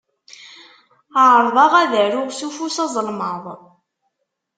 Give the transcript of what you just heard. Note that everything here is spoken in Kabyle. Ԑerḍeɣ ad aruɣ s ufus azelmaḍ.